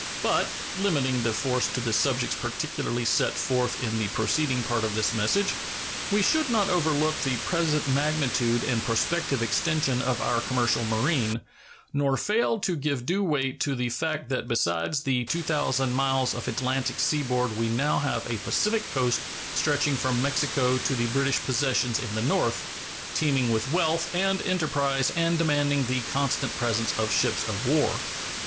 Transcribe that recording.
But, limiting the force to the objects particularly set forth in the preceding part of this message, we should not overlook the present magnitude and prospective extension of our commercial marine, nor fail to give due weight to the fact that besides the 2,000 miles of Atlantic seaboard we have now a Pacific coast stretching from Mexico to the British possessions in the north, teeming with wealth and enterprise and demanding the constant presence of ships of war.